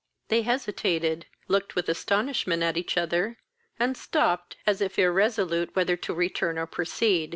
They hesitated, looked with astonishment at each other, and stopped, as if irresolute whether to return or proceed.